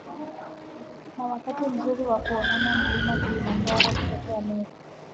Na wakati mzuri wa kuona mlima Kilimanjaro kutokea Meru